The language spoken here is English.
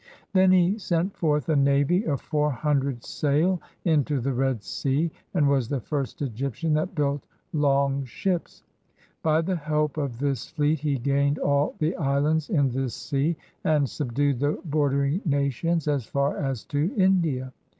91 EGYPT Then he sent forth a navy of four hundred sail into the Red Sea, and was the first Egyptian that built long ships. By the help of this fleet, he gained all the islands in this sea, and subdued the bordering nations as far as to India.